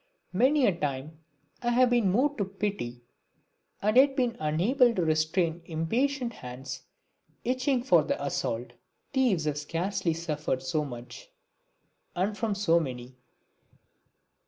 Many a time have I been moved to pity and yet been unable to restrain impatient hands itching for the assault. Thieves have scarcely suffered so much, and from so many.